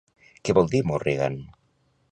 Què vol dir Morrigan?